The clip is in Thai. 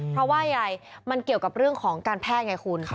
เพราะว่าอะไรมันเกี่ยวกับเรื่องของการแพทย์ไงคุณ